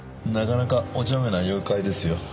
なかなかお茶目な妖怪ですよ。